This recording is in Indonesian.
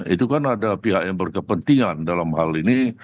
itu kan ada pihak yang berkepentingan dalam hal ini